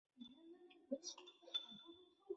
是国际法院成立以来首位华人院长。